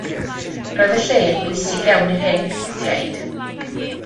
Roedd y lle yn bwysig iawn i'r hen Bictiaid.